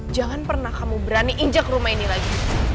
jangan pernah kamu berani injak rumah ini lagi